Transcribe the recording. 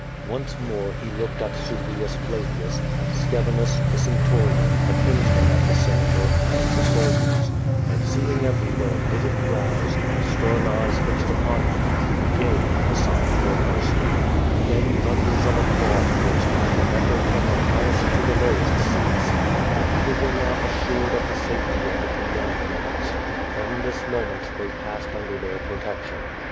nce more he looked at Subrius Flavins, at Scevinus, the centurion, a kinsman of the Senator, at the soldiers; and, seeing everywhere knitted brows, and stern eyes fixed upon him, he gave the sign for mercy. Then thunders of applause burst out and echoed from the highest to the lowest seats. The ])(^ople were now assured of the safety of the condemned ones. From this moment they passed under their protection.